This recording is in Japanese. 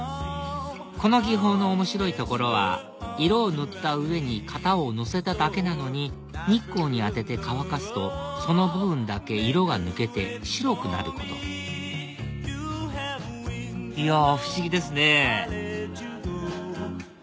この技法の面白いところは色を塗った上に型をのせただけなのに日光に当てて乾かすとその部分だけ色が抜けて白くなることいや不思議ですね